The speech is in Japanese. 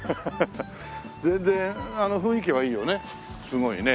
全然雰囲気はいいよねすごいね。